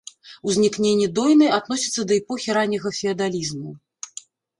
Узнікненне дойны адносіцца да эпохі ранняга феадалізму.